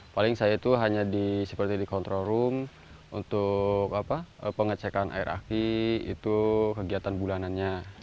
paling saya itu hanya seperti di control room untuk pengecekan air aki itu kegiatan bulanannya